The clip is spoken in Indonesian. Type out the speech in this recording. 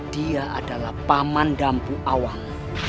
dia adalah paman dampu awang